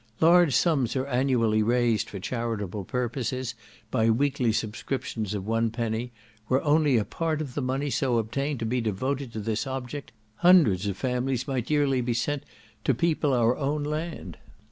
Large sums are annually raised for charitable purposes, by weekly subscriptions of one penny; were only a part of the money so obtained to be devoted to this object, hundreds of families might yearly be sent to people our own land.